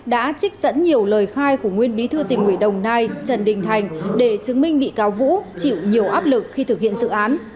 đã trích dẫn nhiều lời khai của nguyên bí thư tỉnh ủy đồng nai trần đình thành để chứng minh bị cáo vũ chịu nhiều áp lực khi thực hiện dự án